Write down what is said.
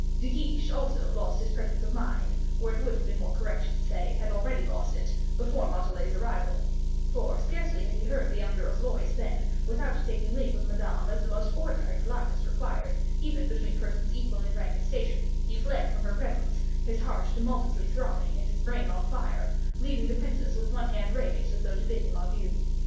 De Guiche, also, lost his presence of mind, or, it would be more correct to say, had already lost it, before Montalais's arrival, for, scarcely had he heard the young girl's voice, than, without taking leave of Madame, as the most ordinary politeness required, even between persons equal in rank and station, he fled from her presence, his heart tumultuously throbbing, and his brain on fire, leaving the princess with one hand raised, as though to bid him adieu.